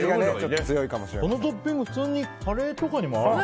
このトッピング普通にカレーとかにも合う。